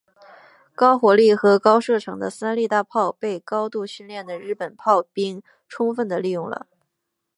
高火力和高射程的三笠大炮被高度训练的日本炮兵充分地利用了。